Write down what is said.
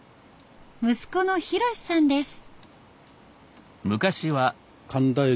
息子の浩さんです。